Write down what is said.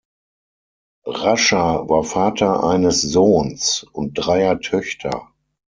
Rascher war Vater eines Sohns und dreier Töchter.